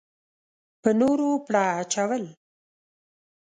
په نورو پړه اچول.